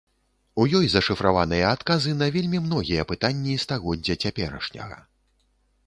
У ёй зашыфраваныя адказы на вельмі многія пытанні стагоддзя цяперашняга.